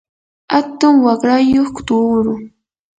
atun waqrayuq tuuru.